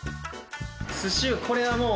寿司これはもう。